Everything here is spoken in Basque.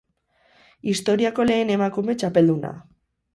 Historiako lehen emakume txapelduna.